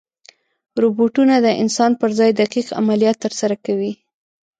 روبوټونه د انسان پر ځای دقیق عملیات ترسره کوي.